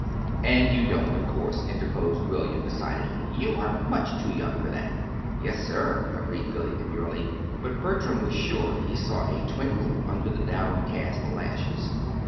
"And you don't, of course," interposed William, decidedly. "You are much too young for that." "Yes, sir," agreed Billy demurely; but Bertram was sure he saw a twinkle under the downcast lashes.